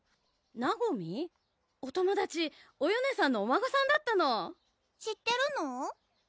お友達およねさんのお孫さんだったの知ってるの？